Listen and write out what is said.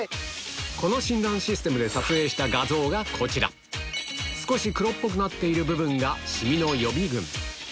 この診断システムで撮影した画像がこちら少し黒っぽくなっている部分がシミの予備軍